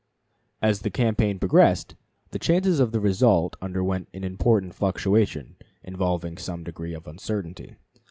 [Illustration: JOHN BELL.] As the campaign progressed the chances of the result underwent an important fluctuation, involving some degree of uncertainty.